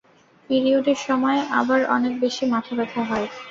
পিরিয়ডের সময় আমার অনেক বেশি মাথা ব্যথা হয়।